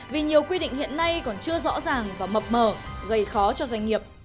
vì nhiều quy định hiện nay còn chưa rõ ràng và mập mờ gây khó cho doanh nghiệp